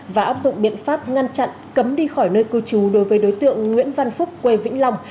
và áp dụng biện pháp ngăn chặn cấm đi khỏi nơi cư trú đối với đối tượng nguyễn văn phúc quê vĩnh long